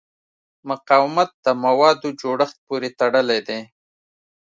مقاومت د موادو جوړښت پورې تړلی دی.